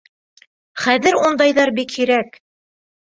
Хәҙер ундайҙар бик һирәк.